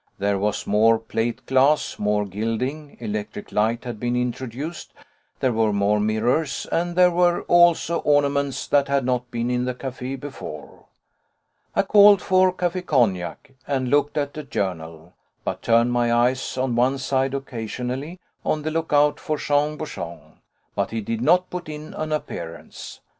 There was more plate glass, more gilding; electric light had been introduced, there were more mirrors, and there were also ornaments that had not been in the café before. I called for café cognac and looked at a journal, but turned my eyes on one side occasionally, on the look out for Jean Bouchon. But he did not put in an appearance.